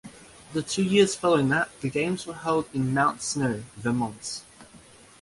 The two years following that, the Games were held in Mount Snow, Vermont.